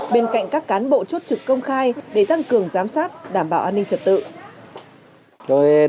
bên cạnh các cán bộ chốt trực công khai để tăng cường giám sát đảm bảo an ninh trật tự